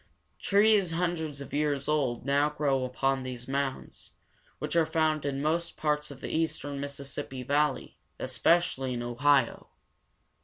Trees hundreds of years old now grow upon these mounds, which are found in most parts of the eastern Mis sis sip´pi valley, especially in O hi´o.